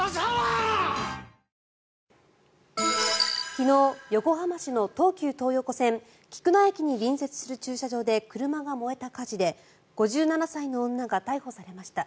昨日、横浜市の東急東横線菊名駅に隣接する駐車場で車が燃えた火事で５７歳の女が逮捕されました。